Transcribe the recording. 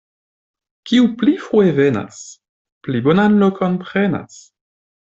Kiu pli frue venas, pli bonan lokon prenas.